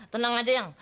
tenang aja yang